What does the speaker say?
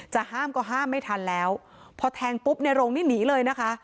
ห้ามก็ห้ามไม่ทันแล้วพอแทงปุ๊บในโรงนี่หนีเลยนะคะ